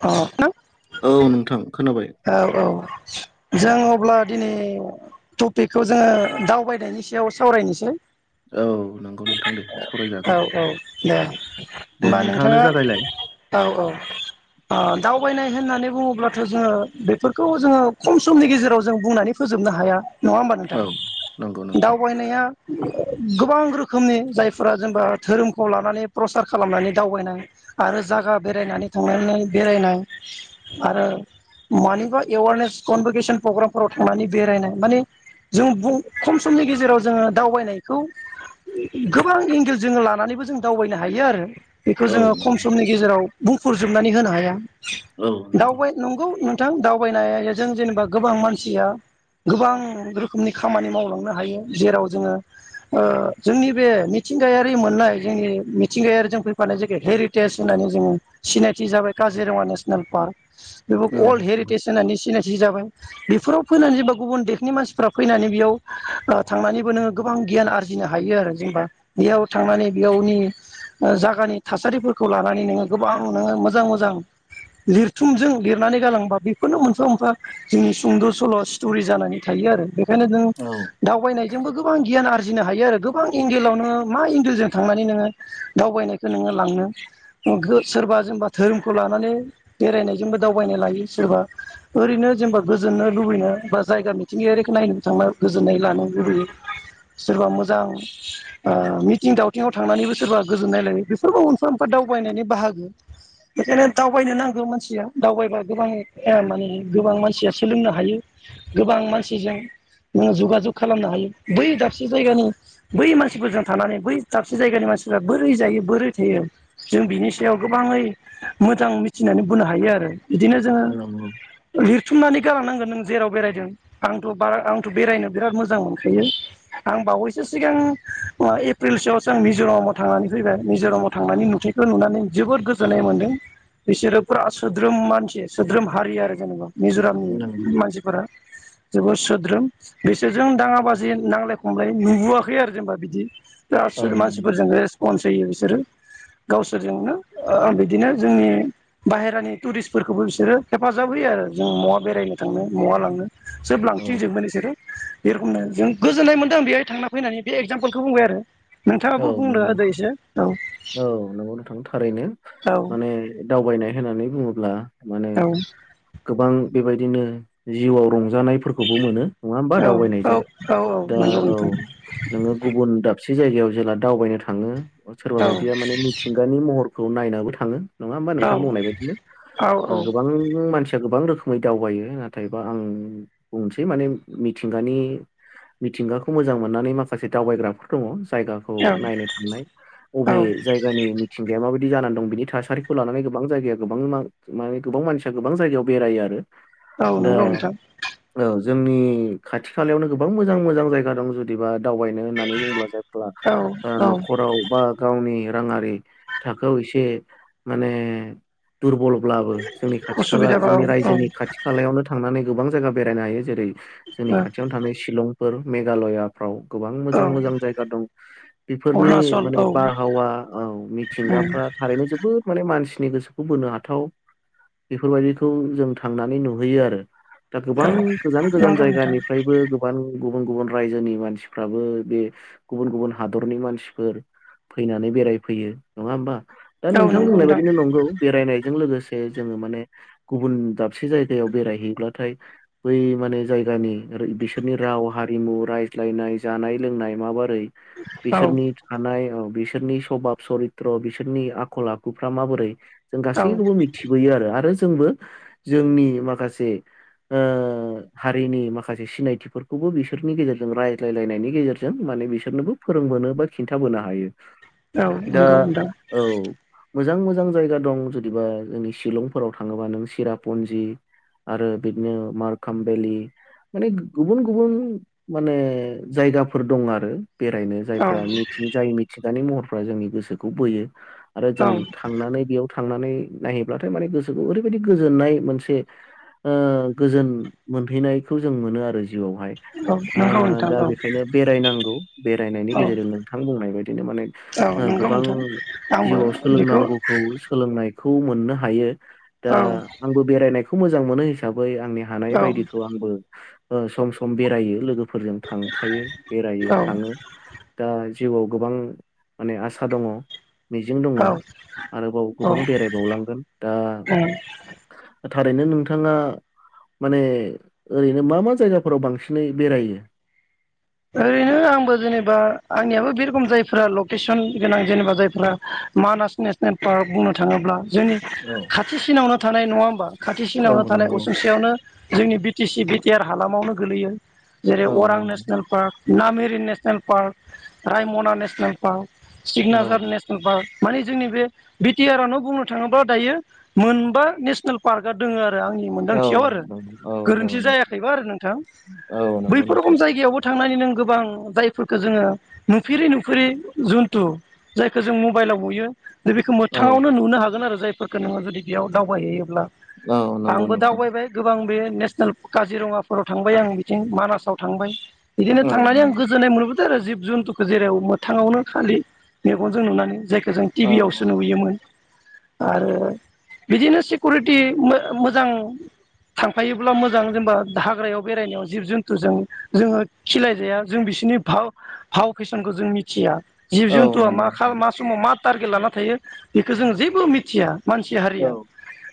अ नों औ नोंथां खोना औ औ जों अब्ला दिनै टपिकखौ जोङो दावबायनायनि सायाव सावरायनोसै। औ नंगौ नों औ औ दे दे होमबा नोंथाङानो नोंथाङा जागायलाय औ औ ओ दावबायनाय होननानै बुङोब्लाथ' जोङो बेफोरखौ जोङो खम समनि गेजेराव जों बुंनानै फोजोबनो हाया। नङा होमबा नोंथां? औ नंगौ नोंथां दावबायनाया गोबां रोखोमनि जायफोरा जेनेबा धोरोमखौ लानानै प्रसार खालामनानै दावबायनाय आरो जगा बेरायनानै थांनानै बेरायनाय आरो मानिबा एवारनेस कनभकेसन प्रग्रामफोराव थांनानै बेरायनाय माने जों खम समनि गेजेराव जोङो दावबायनायखौ गोबां एंगेल जोङो लानानैबो जों दावबायनो हायो आरो। बेखौ औ जोङो खम नंगौ नोंथां समनि गेजेराव बुंफोरजोबनानै होनो हाया। दाउबाय नंगौ नों थां दावबायनायजों जेनेबा गोबां मानसिया गोबां रोखोमनि खामानि मावलांनो हायो जेराव जोङो ओ जोंनि बे मिथिंगायारि मोननाय जोंनि मिथिंगायारिजों फैफानाय जेखि हेरिटेज होननानै जोङो सिनायथि जाबाय काजिरङा नेसनेल पार्क बे औ अल्ड नंगौ हेरिटेज होननानै सिनाय थि जाबाय बेफोराव फैनानै बा गुबुन देखनि मानसिफ्रा फैनानै बेयाव थांनानैबो नोङो गोबां गियान आरजिनो हा हायो आरो जेनेबा बेयाव थांनानै बेयावनि ओ जागानि थासारिफोरखौ ला नानै गोबां नोङो मोजां मोजां लिरथुमजों लिरनानै गालांबा बेखौनो मोफा मोफा जोंनि सुंद' सल' स्टरि जानानै थायो आरो। बेखायनो नों औ दावबायनायजोंबो गोबां गियान आर जिनो हायो आरो गोबां एंगेलावनो मा एंगेलजों थांनानै नोंङो दावबायनायखौ नोंङो लांनो सोरबा जेनेबा धोरोमखौ लानानै बेरायनायजोंबो दावबायनाय लायो सोरबा ओरैनो जेनेबा गोजोननो लुबैनो बा जायगा मिथिंगायाया खौ नायनोबो थां गोजोननाय लानो लुबैयो सोरबा मोजां ओ मिथिं दावथिंआव थांनानैबो सोरबा गोजोननाय लायो बेफोरबो अनफफ दावबायनायनि बाहागो बेखायनो दावबायनो नांगौ मानसिया दावबायबा गोबां माने गोबां मानसिया सोलोंनो हायो गोबां मानसिजों नोो जगाजग खालामनो हायो बै दाबसे जायगानि बै मानसिफोरजों थानानै बै दाबसे जायगानि मानसिफ्रा बोरै जायो बोरै थायो जों बिनि सायाव गोबाङै मोजां मिथिनानै बुंनो हायो आरो बिदिनो जोंङो नंगौ लिरथुमनानै थि खालामनांगोन नों जेराव बेरायदों आंथ' बार आंथ' बेरायनो बिराद मोजां मोनखायो आं बावैसो सिगां एप्रिलसोआवसो आं मिज'रामाव थांनानै फैबाय मिज'रामाव थांनानै नुथायखौ नुनानै जोबोद गोजोननाय मोनदों बिसोरो फुरा सोद्रोम मानसि सोद्रोम हारि आरो जेनेबा नंगौ मिज'रामनि मानसिफोरा जोबोद सोद्रोम बिसोरजों दाङाबाजि नांलाय खमलाय नुबोआखै है आरो जेनबा बिदि औ गासोर नंगौ मानसिफोरजों रेसपन्स होयो बिसोरो गावसोरजोंनो बिदिनो जोंनि बाहेरानि टुरिस्टफोरखौबो बिसोरो हेफाजाब होयो आरो जों मवा बेरायनो थांनो माववा लांनो जोब औ लांफि जोबमोन बिसोरो बे रखमनो जों गोजोननाय मोनदों बेवहाय थांना फैनानै बे एक्जामपोलखौ बुंबाय आरो नोंथाङाबो औ बुंनो नंगौ होदो थां एसे औ औ नंगौ नोंथां थारैनो औ माने दावबायनाय होननानै बुङोब ब्ला माने औ गोबां बेबायदिनो जिउआव रंजानायफोरखौबो मोनो नङा होमबा दावबायनायजों दा औ नोंङो गुबुन दाब से जायगायाव जेला दावबायनो थांङो सोरबा बायदिया माने मिथिंगानि महर खौ नायनाबो थाङो नङा होमबा नोंथां बुंनाय बायदिनो ओ औ गोबां मानसि गोबां रोखोमै दावायो नाथायबा आं बुंनोसै माने मिथिगानि मिथिंगाखौ मोजां मोननानै माखासे दावबायग्राफोर दङ जाय खौ नायनो थांनाय औ औ अबे जायगानि मिथिंगाया माबायदि बि जानानै दं बिनि थासारिखौ लानानै गोबां जाय गोबां माने गोबां मानसिया गोबां जायगायाव बेरायो आरो औ दा नंगौ नोंथां औ जोंनि खाथि खालायावनो गोबां मोजां मोजां जायगा दं जुदिबा दावबायनो होननानै बुंब्ला जायफोर औ ओ औ न'खराव बा गावनि राङारि थाखोआव एसे माने दुरबलब्लाबो जोंनि खाथि खाला उसुबिदाबा औ जोंनि औ रायजोनि खाथि खालायावनो थांनानै गोबां जायगा बेरायनो हायो जेरै जोंनि औ खाथियावनो थानाय शिलं फोर मेघालयाफ्राव गोबां औ मोजां मोजां जायगा दं बेफोरनि अरुणाचल माने औ बारहावा औ मिथिंगाफ्रा थारैनो जोबोद माने मानसि। नि गोसोखौ बोनो हाथाव बेफोरबायदिखौ जों थांनानै नुहैयो आरो। दा गोबां गोजान गोजान नंगौ नोंथां जायगानिफ्रायबो गोबां। गुबुन गुबुन रायजोनि मानसिफ्राबो बे। गुबुन गुबुन हादरनि मानसिफोर फैनानै बेरायफैयो नङा होमबा। दा औ नोंथां नंगौ बुंनाय बायदिनो नंगौ बेरायनायजों लोगोसे। से जोङो माने गुबुन दाबसे जायगायाव बेरायहैब्लाथाय बै माने जायगानि बिसोरनि राव हारिमु रायज्लायनाय जानाय लोंनाय माबोरै औ बिसोरनि थानाय औ। बिसोरनि सभाब सरित्र बिसोरनि आखल आखुफ्रा माबोरै जों औ गासैखौबो मिथिबोयो आरो आरो जों जोंबो जोंनि माखासे ओ हारिनि माखासे सिनायथिफोरखौबो बिसोरनि गेजेरजों रायज्लायलायनायनि गेजेरजों माने बिस सोरनोबो फोरोंबोनो बा खिन्थाबोनो हायो। औ दा नंगौ नोंथां। औ मोजां मोजां जायगा दं जुदिबा जोंनि शिलंफोराव थाङोबा नों सिरापन्जि आरो बिदिनो मारकाम भेलि माने गुबुन गुबुन माने जायगाफोर दं आरो। बेरायनो औ जायफ्रा मिथिनो जाय मिथि गानि महरफ्रा जोंनि गोसोखौ बोयो आरो औ जों थांनानै बेयाव थांनानै नायहैब्लाथाय माने गोसोखौ ओरैबायदि गोजोननाय मोनसे ओ गोजोन मोनहैनायखौ जों मोनो आरो। जिउआवहाय औ ओ नंगौ नोंथां दा औ बेखायनो बेरायनांगौ बेरायनायनि औ गेजेरजों नोंथां बुंनाय बायदिनो माने औ ओ नंगौ गोबां नोंथां आंबो जिउआव बेखौ सोलोंनांगौखौ सोलोंनाय। खौ मोननो हायो। दा औ आंबो बेेरायनाय खौ मोजां मोनो हिसाबै आंनि हानाय बायदिखौ आंबो। ओ सम सम बेरायो लोगोफोर फोरजों थांफायो बेरायो। दा जिउआव गोबां माने आसा दङ मिजिं दङ औ आरोबाव औ गोबां बेरायबावलांगोन दा औ थारैनो नोंथाङा माने ओरैनो मा मा जायगाफोराव बांसिनै बेरायो। ओरैनो आंबो जेनेबा आंनियाबो बे रोखोम जायफ्रा लकेसन गोनां जेनेबा जायफ्रा मानास नेसनेल पार्क बुंनो थाङोब्ला जोंनि औ खाथिसिनावनो थानाय नङा होमबा खाथिसिनावनो औ थानाय नंगौ असुंसेयावनो जोंनि B T C B T R हालामावनो गोगलैयो जेरै औ अरां नंगौ national park Nameri national park Raimona national park औ सिकनाझार नेसनेल पार्क माने जोंनि बे बिटि आर आवनो बुंनो थाङोब्ला दायो मोनबा नेसनेल पार्कआ दङ आरो आंनि औ मोनदांथियाव आरो नंगौ औ दङ गोरोन्थि नोंथां जायाखैबा आरो नोंथां औ नंगौ बैफोर रखम नोंथां जायगायावबो थांनानै नों गोबां जायफोरखौ जोङो नुफेरै नुफेरै जुन्थु जायखौ जों मबाइलाव नुयो दा बेखौ औ मोथाङावनो नुनो हागोन आरो जाय फोरखौ नोङो जुदि बेयाव दावबाहैयोबा ब्ला औ नंगौ आंबो नोंथां दावबायबाय गोबां बे नेसनेल काजिरङाफोराव थांबाय आं बिथिं मानासाव थांबाय बिदिनो औ थांनानै आं नंगौ गोजोननाय मोनो जिब जुन्थुखौ जेराव मोथाङावनो खालि मेगनजों नुनानै जाय जों टि औ भि यावसो नुयोमोन। आरो बिदिनो सिकिुरिटि मो-मोजां थांफायोब्ला मोजां जेनेबा हाग्रायाव बेरायनायाव जिब जुन्थुजों जोङो खिलायजाया जों बिसोरनि भाव भाव फेसनखौ जों मिथिया जिब औ जुन्तुया नंगौ मा नोंथां खाला-मा समाव मा टारगेट लाना थायो बेखौ जों जेबो मिथिया। मानसि औ हारिया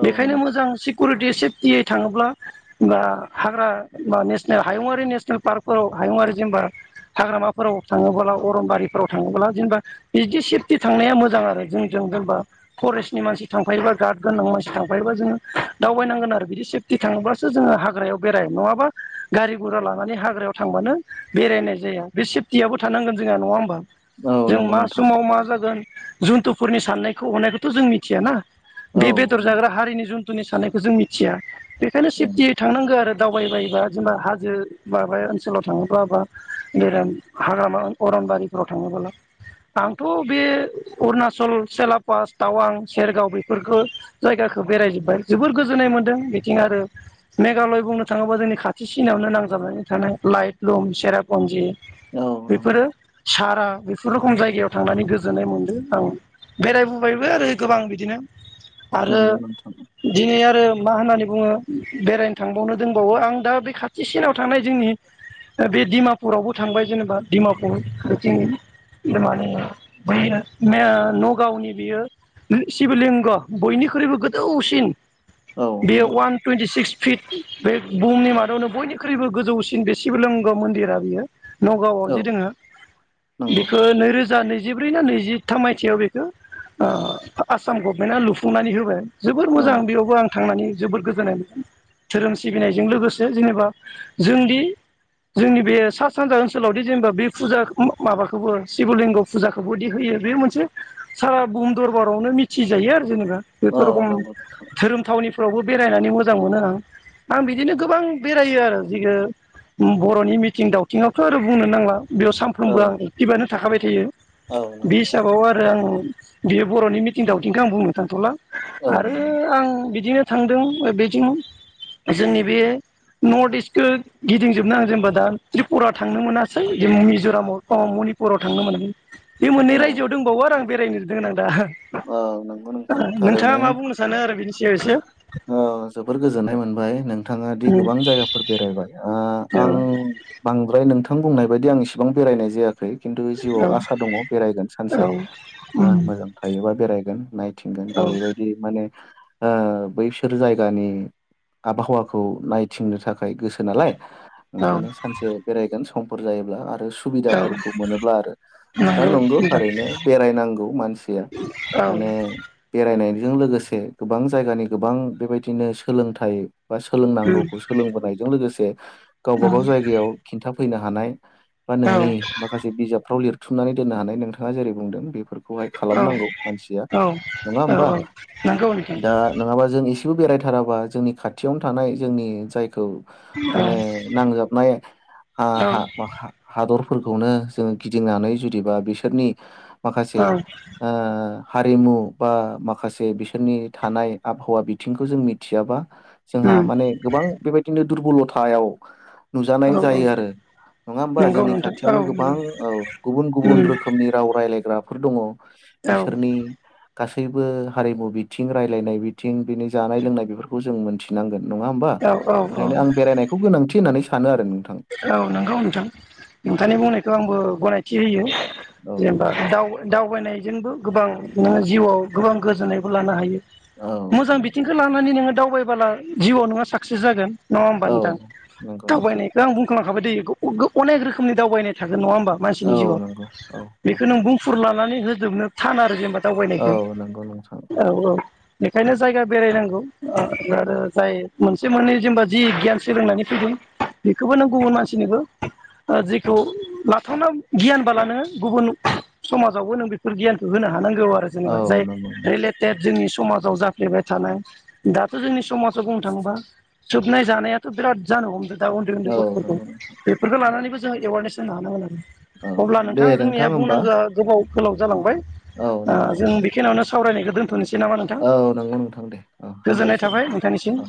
औ बेखायनो नंगौ मोजां सि कुरिटि सेफटियै थाङोब्ला बा हाग्रा बा नेसनेल हायुङारि नेसनेल पार्क फोराव हायुङारि जेनेबा हाग्रामाफोराव थाङोब्ला अरनबारिफोराव थाङोब्ला जेनेबा बिदि सेफटि थांनाया मोजां आरो जोंजों जेनेबा फरेस्टनि मानसि थांफायोबा गार्द गोनां मानसि थांफायोबा जोङो दावबायनांगोन आरो बिदि सेफटि थाङोब्लासो जोङो हाग्रायाव बेराय नङाबा गारि गरा लानानै हाग्रायाव थांबानो बेरायनाय जाया बे सेफ्टियाबो थानांगोन जोंहा नङा होमबा। औ जों नंगौ मा नोंथां समाव मा जागोन जुन्थुफोरनि साननायखौ हनायखौथ' जों मिथियाना। औ बे बेदर जाग्रा नंगौ हारिनि जुन जुनथुनि साननायखौ जों मिथिया। बेखायनो उम सेफटियै थांनांगौ आरो दावबायबायोबा जेनेबा हाजो माबा ओनसोलाव थाङोब्ला बा बेर हाग्रामा अरनबारिफोराव थाङोब्ला आंथ' बे अरुणाचल सेलापास टावां सेरगाव बेफोरखौ जायगाखौ बेरायजोब्बाय जोबोर गोजोननाय मोन्दों बिथिं आरो मेघालय बुंनो थाङोबा जोंनि खाथिसिनायावनो नांजाबनानै थानाय लइट लं सेरापनजि औ नंगौ बेफोरो सारा बेफोर रोखोम जायगायाव थांनानै गोजोननाय मोनदों आं बेरायबोबायबो आं आरो नंगौ नोंथां दिनि बुङो बेरायनो थांबावनो दोनबावो आं दा बे खाथिसिनाव थानाय जोंनि बे डिमापुरावबो थांबाय जेनेबा डिमापुर बिथिं माने नगावनि बियो शिबलिंग बयनिख्रुइबो गोदौसिन औ बेयो नंगौ अवान टुइन्टिसिक्स फिट बे बुहुमनि मादावनो बयनिख्रुइबो गोजौसिन बे शिबलींग' मन्दिरा बियो। नगावआव औ जे दोङो नंगौ बेखौ नैरोजा नै जिब्रै ना नैजिथाम मायथाइयाव बेखौ ओ आसाम गभमेन्टआ लुफुंनानै होबाय। जोबोर औ मोजां बेयावबो आं थांनानै जोबोद गोजोननाय धोरोम सिबिनायजों लोगोसे जेनेबा जोंदि जोंनि बे सा सानजा ओनसोलावदि जेनेबा बे फुजा माबाखौबो शिबलिंग' फुजाखौबोदि होयो बे मोनसे सारा भुम दरबारावनो मिथिजायो आरो जेनेबा। बेफोर औ रखम नंगौ नोंथां धोरोम थावनिफ्रावबो बे बेरायनानै मोजां मोनो आं। आं बिदिनो गोबां बेरायो आरो जि ओ बर'नि मिथिं दावथिङावथ' आरो बुंनो नांला। बेयाव औ सानफ्रोमबो आं एक्टिभनो थाखाबाय थायो। औ बे नंगौ नोंथां हिसाबाव आरो आं बियो बर'नि मिथिं दावथिंखो आं बुंनो थांथ'ला। औ आरो आं बिदिनो थांदों बेथि जोंनि बे नर्थ इस्टखौ गिदिं जोबनो आं जेनबा त्रिपुरा थांनो मोनासै मिज'रामाव अ मनिपुराव थांनो मोनाखै। बे मोननै रायजोआव दंबावो आरो आं बेरायनो गोनां दा। औ नोंगौ नोंथां नोंथाङा थारैनो। मा बुंनो सानो आरो बिनि सायाव एसे ओ जोबोर गोजोननाय मोनबाय नों थाङा दि गोबां जायगाफोर बेरायबाय ओ ओ औ आं बांद्राय नों थां बुंनायबादि एसेबां बेरायनाय जाया खै खिन्थु जिउआव आसा दङ' बेरायगोन‌ सानसे। ओ मोजां थायोबा बेरायगोन नायथिंगोन औ जेरैबायदि माने ओ बैसोर जायगानि आबहावाखौ नायथिंनो थाखाय गोसो नालाय ओंखायनो सानसे बेरायगोन सम फोर जायोब्ला आरो औ सुबिदाफोरखौ औ मोनोब्ला आरो। दा नंगौ नोंगौ नोंथां थारैनो बेरायनांगौ मानसिया। औ माने बेराय नायजों लोगोसे गोबां जायगानि गोबां बेबायदिनो सोलोंथाइ बा सोलोंनांगौखौ सोलोंबोनायजों लोगोसे गावबा औ गाव जायगायाव खिन्थाफैनो हानाय बा औ नोंनि माखासे बिजाबफ्राव लिर थुमनानै दोननो हानाय नोंथाङा जेरै बुंदों बे फोरखौहाय खालामनांगौ। मानसिया नङा होमबा नंगौ दा नङाबा जों इ बो बेरायथाराबा जोंनि खाथियावनो थानाय जोंनि जाय खौ माने नांजाबनाय नोंथां औ हा-हा-हाद फोरखौउ नों जों गिदिंनानै जूदिबा बिसोरनि माखासे औ ओ हारिमु बा माखासे बिसोरनि थानाय आबहावा बिथिंखौ जों मिथियाबा। जोंहा माने गोबां बेबादि नो दुरबलथायाव। नुजानाय औ जायो आरो नङा होमबा नंगौ जोंनि नोंथां खाथियावनो औ गोबां नंगौ औ गुबुन गुबुन रोखोमनि राव राय्लायग्रा। फोर दङ। औ बिसोरनि गासैबो हारिमु बिथिं रायलायनाय बिथिं बिनि जानाय लोंनाय बेफोरखौ जों मोन्थिनांगोन। नङा होमबा? औ औ ओंखायनो आं बेरायनायखौ गोनांथि होननानै सानो आरो नों औ नंगौ नोंथां, औ नोंथांनि बुंनायखौ आंबो गनायथि होयो औ जेनेबा नंगौ दाव दावबायनाय जोंबो गोबां नोङो जिउआव गोबां गोजोननायबो लानो हायो। औ मोजां नंगौ बिथिंखौ लानानै नोङो दावबाय बोला जिउआव नोङा साक्सेस जागोन। नङा होमबा औ नोंथां? नंगौ नोंथां दावबायनाय आं बुंखांखाबाय दैहायो ग अ-अनेक रोखोमनि दावबायनाय थागोन नङा होमबा? मानसिनि औ जिउआव नंगौ औ औ बेखौ नों बुंफुरला नानै होजोबनो थान आरो जेनेबा। दावबायनायखौ औ नंगौ नोंथां औ औ। बेखायनो जायगा बेरायनांगौ। आरो जाय मोनसे मोननै जेनेबा जि गियान सोलोंनानै फैदों बेखौबो नों गुबुन मानसिनोबो, ओ जेखौ लाथावना गियानबालानो गुबुन समाजावबो नों बेफोर गियानखौ होनो थानांगौ आरो जेनेबा जाय औ नंगौ नोंथां रिलेटेड जोंनि समा जाव जाफ्लेबाय थानाय दाथ' जोंनि समाजाव बुंनो थाङोबा सोबनाय जानायाथ' बिराद जानो हमदों। दा उन्दै उन्दै औ गथ'फोरखौ नंगौ नोंथां बेफोरखौ लानानैबो जों एवारनेस होनो हानांगोन आरो औ अब्ला दे नोंथां जोंनिया होमबा बुंनांगोआ गोबाव गोलाव जालांबाय। औ ओ नंगौ जों बेखिनियावनो स सावरायनायखौ दोन थ'निसै नामा नोंथां? औ नंगौ नोंथां दे औ गोजोननाय हामबायसै थाबाय नोंथां नोंथांनिसिम। औ